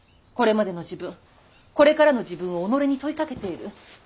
これまでの自分これからの自分を己に問いかけている。